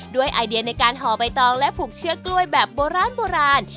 ด้วยไอเดียในการห่อไปตองและผูกเชื้อกลวยแบบโบราณ